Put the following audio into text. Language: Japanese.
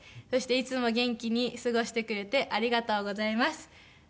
そしていつも元気に過ごしてくれてありがとうございます。